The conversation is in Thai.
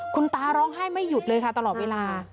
คุณตาร้องไห้ไม่หยุดเลยค่ะตลอดเวลา